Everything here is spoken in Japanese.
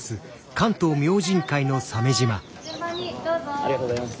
ありがとうございます。